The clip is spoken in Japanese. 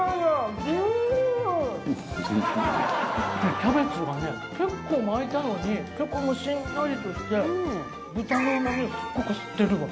キャベツがね結構巻いたのに結構もうしんなりとして豚のうまみをすごく吸ってるわ。